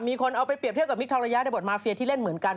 มีคนเอาไปเปรียบเทียบกับมิคทองระยะในบทมาเฟียที่เล่นเหมือนกัน